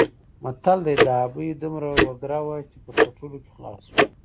متل دی: د ابۍ دومره وګره وه چې په څټلو کې خلاصه شوه.